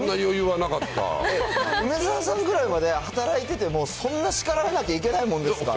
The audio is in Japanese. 梅沢さんぐらいまで働いてても、そんな叱られなきゃいけないもんですか？